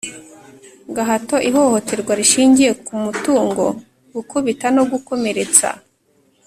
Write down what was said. gahato ihohoterwa rishingiye ku mutungo gukubita no gukomeretsa